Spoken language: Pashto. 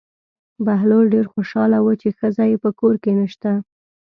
بهلول ډېر خوشحاله و چې ښځه یې په کور کې نشته.